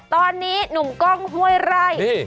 ตอนนี้หนุ่มกล้องห้วยไร่